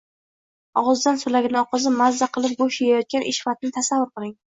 og‘zidan so‘lagini oqizib, mazza qilib go‘sht yeyayotgan Eshmatni tasavvur qiling!